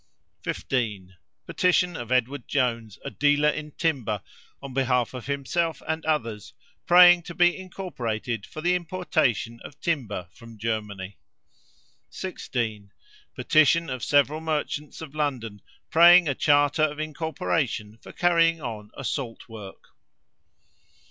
"15. Petition of Edward Jones, a dealer in timber, on behalf of himself and others, praying to be incorporated for the importation of timber from Germany. "16. Petition of several merchants of London, praying a charter of incorporation for carrying on a salt work.